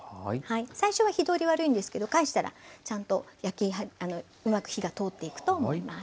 最初は火通り悪いんですけど返したらうまく火が通っていくと思います。